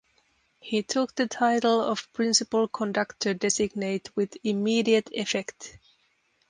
He took the title of principal conductor designate with immediate effect.